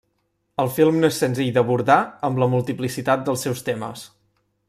El film no és senzill d’abordar amb la multiplicitat dels seus temes.